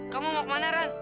kamu mau kemana ran